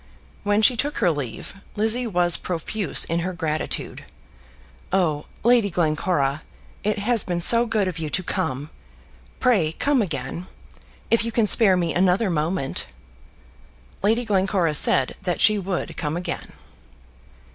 When she took her leave, Lizzie was profuse in her gratitude. "Oh, Lady Glencora, it has been so good of you to come. Pray come again, if you can spare me another moment." Lady Glencora said that she would come again.